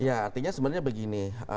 ya artinya sebenarnya begini